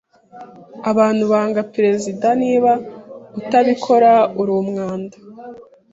Abantu banga perezida, niba utabikora uri umwanda